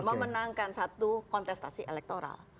memenangkan satu kontestasi elektoral